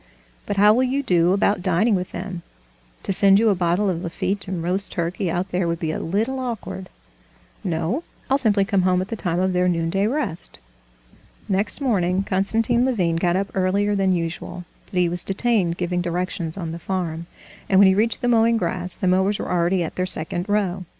"But how will you do about dining with them? To send you a bottle of Lafitte and roast turkey out there would be a little awkward." "No, I'll simply come home at the time of their noonday rest." Next morning Konstantin Levin got up earlier than usual, but he was detained giving directions on the farm, and when he reached the mowing grass the mowers were already at their second row.